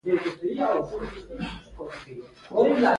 خپلې خبرې پیل کړې.